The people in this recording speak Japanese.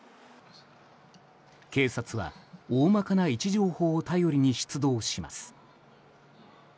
警察は大まかな位置情報を頼りに出動します。